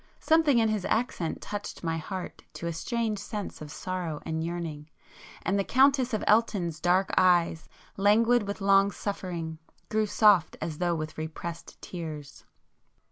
Something in his accent touched my heart to a strange sense of sorrow and yearning, and the Countess of Elton's dark eyes, languid with long suffering, grew soft as though with repressed tears.